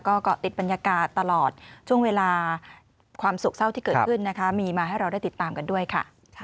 ก็เกาะติดบรรยากาศตลอดช่วงเวลาความโศกเศร้าที่เกิดขึ้นนะคะมีมาให้เราได้ติดตามกันด้วยค่ะ